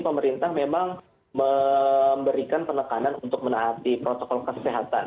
pemerintah memang memberikan penekanan untuk menaati protokol kesehatan